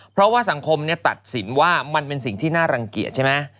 เพราะว่าสังคมตัดสินว่ามันเป็นสิ่งที่น่ารังเกียจใช่ไหม